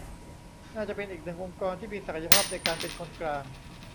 น่าจะเป็นอีกหนึ่งองค์กรที่มีศักยภาพในการเป็นคนกลาง